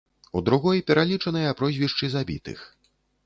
У другой пералічаныя прозвішчы забітых.